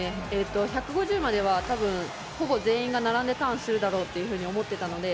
１５０までは、ほぼ全員が並んでターンするだろうと思っていたので。